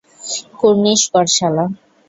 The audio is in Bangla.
কুর্নিশ কর শালা!